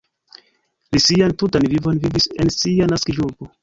Li sian tutan vivon vivis en sia naskiĝurbo.